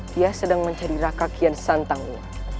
dia sedang mencari raka kian santang iwan